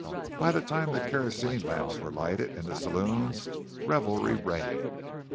By the time the kerosene lamps were lighted in the saloons revelry reigned.